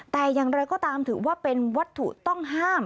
แต่อย่างไรก็ตามถือว่าเป็นวัตถุต้องห้าม